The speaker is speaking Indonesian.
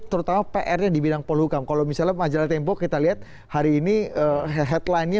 terutama pr di bidang polhukam kalau misalnya majalah tembok kita lihat hari ini headlinenya